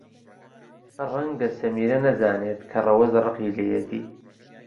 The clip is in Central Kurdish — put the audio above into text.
ڕەنگە سەمیرە نەزانێت کە ڕەوەز ڕقی لێیەتی.